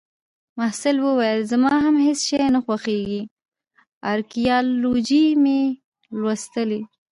محصل وویل: زما هم هیڅ شی نه خوښیږي. ارکیالوجي مې لوستلې